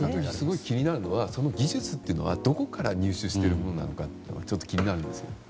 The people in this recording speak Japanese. すごく気になるのはその技術は、どこから入手しているものなのかちょっと気になるんですけど。